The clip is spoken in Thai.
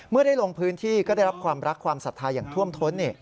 เมื่อได้ลงพื้นที่ก็ได้รับความรักความศรัทธาอย่างท่วมท้น